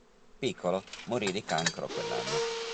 Piccolo morì di cancro quell'anno.